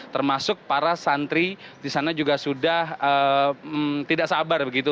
termasuk para santri di sana juga sudah tidak sabar begitu